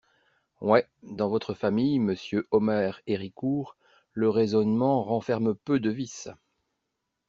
Ouais, dans votre famille, Monsieur Omer Héricourt, le raisonnement renferme peu de vices!